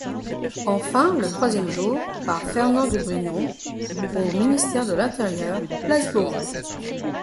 Enfin, le troisième jour, par Fernand de Brinon, au ministère de l'intérieur place Beauvau.